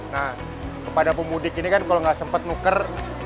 nah kepada pemudik ini kan kalau nggak sempat nuker